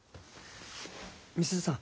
美鈴さん